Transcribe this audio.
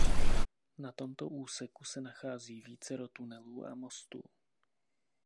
Na tomto úseku se nachází vícero tunelů a mostů.